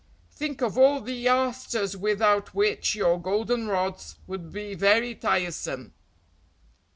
"Think of all the asters without which your goldenrods would be very tiresome."